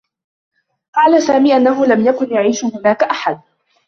قال سامي أنّه لم يكن يعيش هناك أحد.